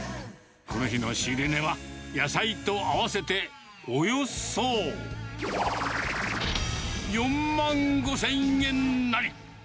この日の仕入れ値は、野菜と合わせておよそ４万５０００円なり。